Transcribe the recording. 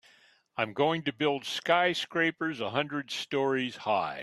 I'm going to build skyscrapers a hundred stories high.